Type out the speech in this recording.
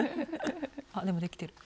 あでもできてる。